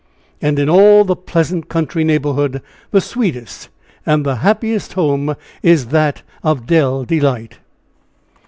And in all the pleasant country neighborhood, the sweetest and the happiest home is that of Dell Delight.